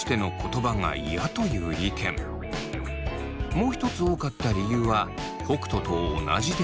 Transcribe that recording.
もう一つ多かった理由は北斗と同じで。